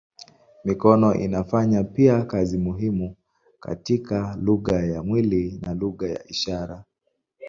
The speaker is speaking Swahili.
Mikono inafanya pia kazi muhimu katika lugha ya mwili na lugha ya ishara.